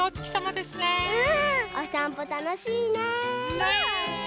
うんおさんぽたのしいね。ね。